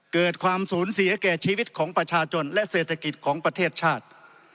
เกิดความสูญเสียแก่ชีวิตของประชาชนและเศรษฐกิจของประเทศชาติ